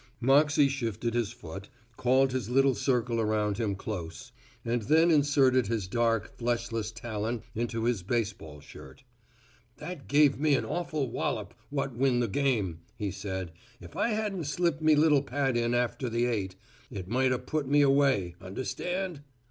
Moxey shifted his foot, called his little circle around him close and then inserted his dark, fleshless talon into his baseball shirt. "That gave me an awful wallop what win the game," he said; "if I hadn't slipped me little pad in after the eight', it might a' put me away, understand."